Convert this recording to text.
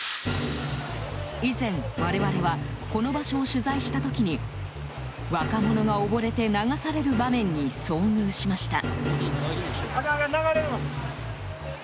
以前、我々はこの場所を取材した時に若者が溺れて流される場面に遭遇しました。